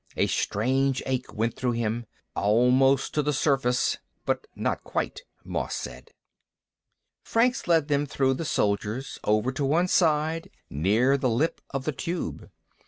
A strange ache went through him. "Almost to the surface." "But not quite," Moss said. Franks led them through the soldiers, over to one side, near the lip of the Tube.